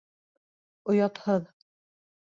Оятһыҙ.